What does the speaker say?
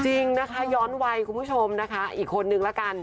จริงนะคะย้อนวัยคุณผู้ชมนะคะอีกคนนึงละกัน